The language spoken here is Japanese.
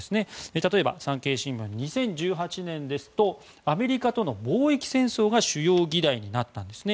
例えば、産経新聞２０１８年ですとアメリカとの貿易戦争が主要議題になったんですね。